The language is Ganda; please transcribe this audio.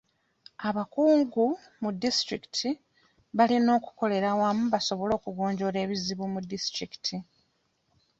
Abakungu ku disitulikiti balina okukolera awamu basobole okugonjoola ebizibu mu disitulikiti.